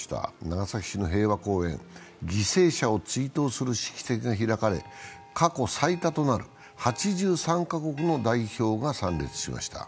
長崎市の平和公園、犠牲者を追悼する式典が行われ過去最多となる８３カ国の代表が参列しました。